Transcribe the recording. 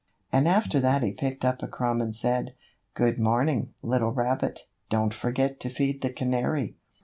And after that he picked up a crumb and said: "Good morning, little rabbit. Don't forget to feed the canary."